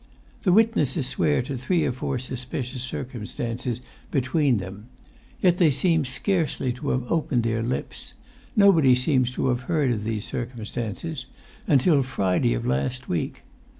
"The witnesses swear to three or four suspicious circumstances between them. Yet they seem scarcely to have opened their lips—nobody seems to have heard of those circumstances—until Friday of last week.